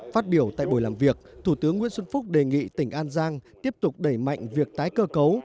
phát biểu tại buổi làm việc thủ tướng nguyễn xuân phúc đề nghị tỉnh an giang tiếp tục đẩy mạnh việc tái cơ cấu